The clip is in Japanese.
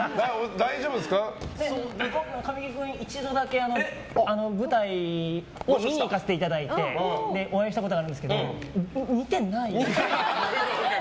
神木君一度だけ舞台を見に行かせていただいてお会いしたことあるんですけど似てないです。